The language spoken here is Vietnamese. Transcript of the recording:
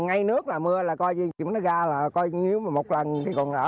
ngay nước là mưa là coi như nó ra là coi như nếu mà một lần thì còn rỡ